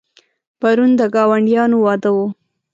پرون د ګاونډیانو واده و.